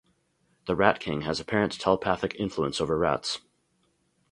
The Rat King has apparent telepathic influence over rats.